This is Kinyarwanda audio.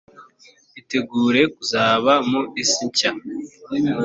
itegure kuzaba mu isi nshya